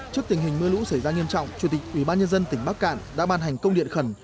trước tình hình mưa lũ xảy ra nghiêm trọng chủ tịch ubnd tỉnh bắc cạn đã ban hành công điện khẩn